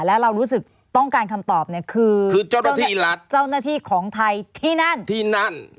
แล้วเรารู้สึกต้องการคำตอบคือเจ้าหน้าที่ของไทยที่นั่น